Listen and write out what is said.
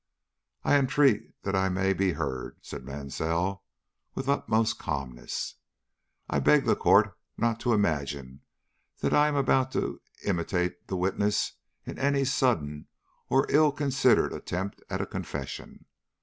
"I entreat that I may be heard," said Mansell, with the utmost calmness. "I beg the Court not to imagine that I am about to imitate the witness in any sudden or ill considered attempt at a confession.